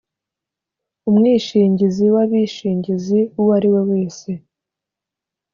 umwishingizi w’abishingizi uwo ari we wese,